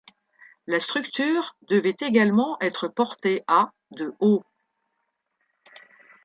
La structure devait également être portée à de haut.